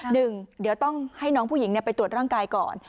หนึ่งเดี๋ยวต้องให้น้องผู้หญิงไปตรวจร่างกายก่อน